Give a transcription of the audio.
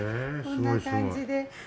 こんな感じで。